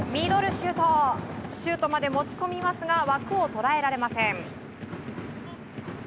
シュートまで持ち込みますが枠を捉えられません。